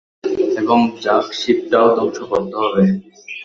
এবং, যার্গ শিপটাও ধ্বংস করতে হবে।